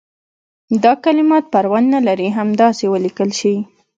دا کلمات پروا نه لري همداسې ولیکل شي.